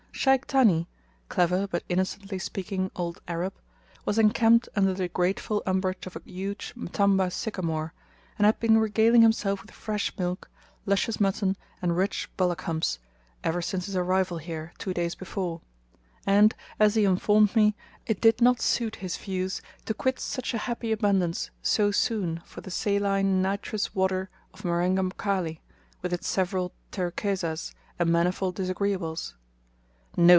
Sheikh Thani clever but innocently speaking old Arab was encamped under the grateful umbrage of a huge Mtamba sycamore, and had been regaling himself with fresh milk, luscious mutton, and rich bullock humps, ever since his arrival here, two days before; and, as he informed me, it did not suit his views to quit such a happy abundance so soon for the saline nitrous water of Marenga Mkali, with its several terekezas, and manifold disagreeables. "No!"